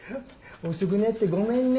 遅くなってごめんね。